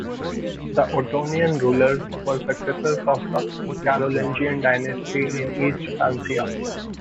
The Ottonian rulers were successors of the Carolingian dynasty in East Francia.